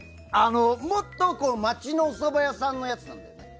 もっと街のおそば屋さんのやつなんだよね。